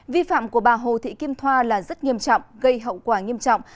vi phạm của bà hồ thị kim thoa là rất nghiêm trọng gây hậu quả nghiêm trọng